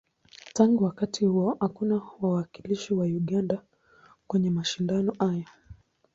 Tangu wakati huo, hakuna wawakilishi wa Uganda kwenye mashindano haya.